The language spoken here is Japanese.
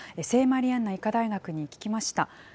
聖マリアンナ医科大学に聞きました。